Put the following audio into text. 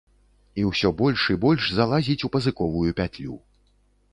І ўсё больш і больш залазіць у пазыковую пятлю.